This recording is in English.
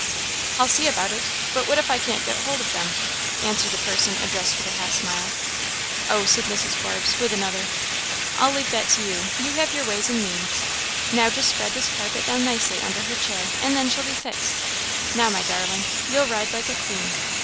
"I'll see about it. But what if I can't get hold of them!" answered the person addressed, with a half smile. "Oh," said Mrs. Forbes, with another, "I leave that to you; you have your ways and means. Now, just spread this carpet down nicely under her chair; and then she'll be fixed. Now, my darling, you'll ride like a queen.